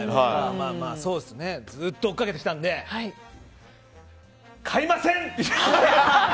ずっと追いかけてきたんで買いません！